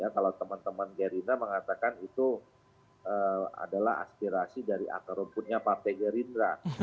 kalau teman teman gerindra mengatakan itu adalah aspirasi dari akar rumputnya partai gerindra